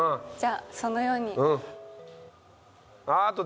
じゃあそのように。うん。